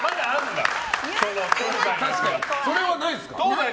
それはないんですか？